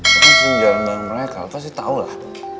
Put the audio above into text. mungkin senjata mereka pasti tau lah